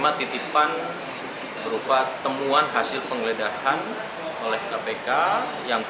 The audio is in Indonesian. ada berapa sih pak setiap pilihnya pak